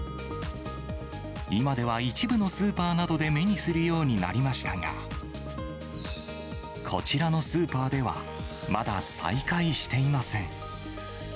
今では一部のスーパーなどで目にするようになりましたが、こちらのスーパーではまだ再開していません。